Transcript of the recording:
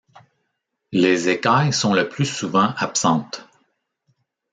Les écailles sont le plus souvent absentes.